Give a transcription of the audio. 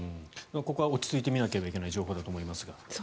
ここは落ち着いて見なければいけない情報だと思いますが。